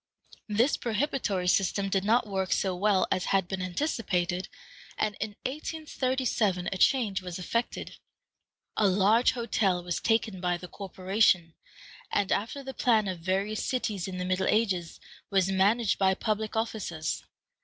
This prohibitory system did not work so well as had been anticipated, and in 1837 a change was effected. A large hotel was taken by the corporation, and, after the plan of various cities in the Middle Ages, was managed by public officers.